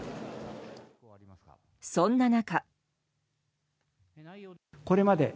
そんな中。